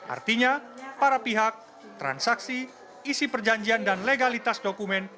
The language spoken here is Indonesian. artinya para pihak transaksi isi perjanjian dan legalitas dokumen